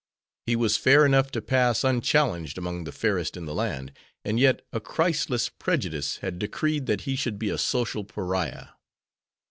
He was fair enough to pass unchallenged among the fairest in the land, and yet a Christless prejudice had decreed that he should be a social pariah.